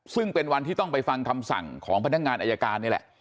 ซึ่งเป็นวันที่ต้องไปฟังคำสั่งของพนักงานอายการนี่แหละ